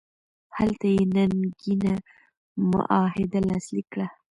هلته یې ننګینه معاهده لاسلیک کړه.